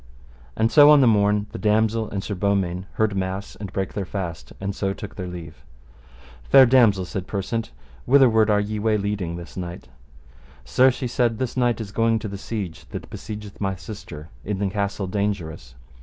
And so on the morn the damosel and Sir Beaumains heard mass and brake their fast, and so took their leave. Fair damosel, said Persant, whitherward are ye way leading this knight? Sir, she said, this knight is going to the siege that besiegeth my sister in the Castle Dangerous.